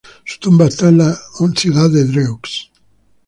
Su tumba está en la ciudad de Dreux.